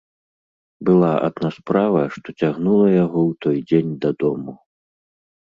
Была адна справа, што цягнула яго ў той дзень дадому.